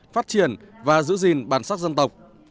phát triển và giữ gìn bản sắc dân tộc